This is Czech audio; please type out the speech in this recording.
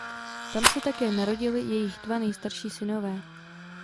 Tam se také narodili jejich dva nejstarší synové.